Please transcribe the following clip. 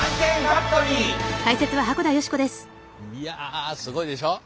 いやすごいでしょ。